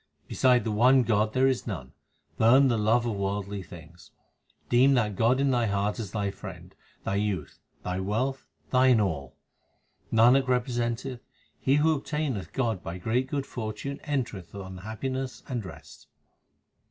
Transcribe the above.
Beside the one God there is none : burn the love of worldly things. Deem that God in thy heart as thy friend, thy youth, thy wealth, thine all. Nanak representeth, he who obtaineth God by great good fortune enter eth on happiness and rest.